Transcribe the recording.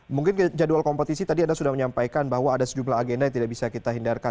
mungkin jadwal kompetisi tadi anda sudah menyampaikan bahwa ada sejumlah agenda yang tidak bisa kita hindarkan